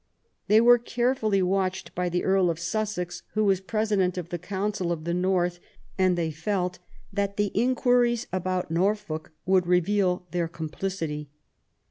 They were carefully watched by the Earl of Sussex, who was President of the Council of the North ; and they felt that the inquiries about Norfolk would reveal their complicity.